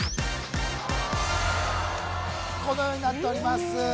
このようになっております